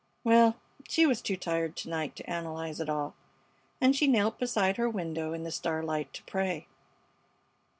Well, she was too tired to night to analyze it all, and she knelt beside her window in the starlight to pray.